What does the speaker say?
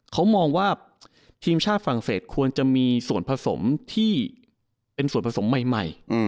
เขามองว่าทีมชาติฝรั่งเศสควรจะมีส่วนผสมที่เป็นส่วนผสมใหม่